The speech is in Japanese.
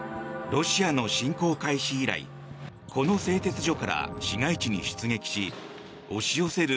ロシアの侵攻開始以来この製鉄所から市街地に出撃し押し寄せる